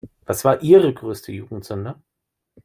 Was war Ihre größte Jugendsünde?